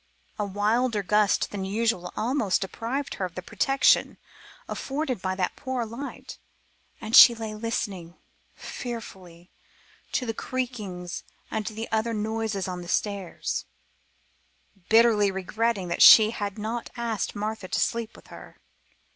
A wilder gust than usual almost deprived her of the protection afforded by that poor light, and she lay listening fearfully to the creakings and other noises on the stairs, bitterly regretting that she had not asked Martha to sleep with her.